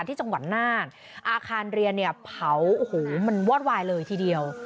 ที่จังหวัดน่านอาคารเรียนเนี่ยเผาโอ้โหมันวอดวายเลยทีเดียว